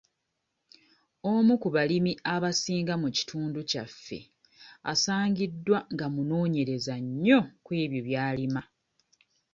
Omu ku balimi abasinga mu kitundu kyaffe asangiddwa nga munoonyereza nnyo kw'ebyo by'alima.